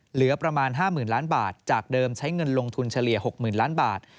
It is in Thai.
เหลือประมาณ๕๐๐๐ล้านบาทจากเดิมใช้เงินลงทุนเฉลี่ย๖๐๐๐ล้านบาท